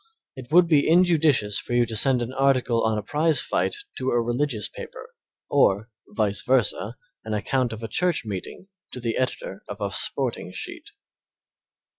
It would be injudicious for you to send an article on a prize fight to a religious paper or, vice versa, an account of a church meeting to the editor of a sporting sheet.